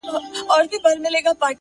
ستا د يوه واري ليدلو جنتې خوندونه;